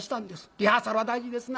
リハーサルは大事ですな。